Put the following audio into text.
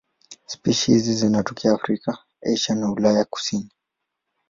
Spishi hizi zinatokea Afrika, Asia na Ulaya ya kusini.